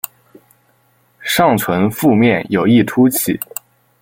上唇腹面有一突起。